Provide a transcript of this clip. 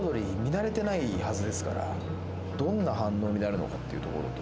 慣れてないはずですからどんな反応になるのかっていうところと。